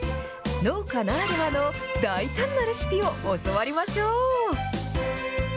農家ならではの大胆なレシピを教わりましょう。